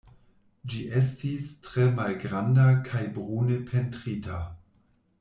Ĝi estis tre malgranda kaj brune pentrita.